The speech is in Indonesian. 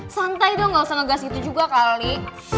santai dong gak usah ngegas itu juga kali